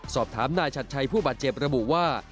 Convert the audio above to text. สอบถามนายชัดชัยผู้บาดเจ็บระบุว่า